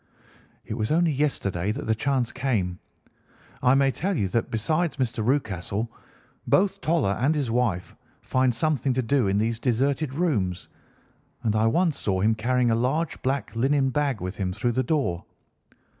"It was only yesterday that the chance came. I may tell you that, besides Mr. Rucastle, both Toller and his wife find something to do in these deserted rooms, and I once saw him carrying a large black linen bag with him through the door.